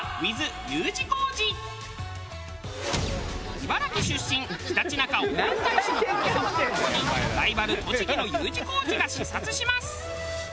茨城出身ひたちなか応援大使の黒沢とともにライバル栃木のＵ字工事が視察します。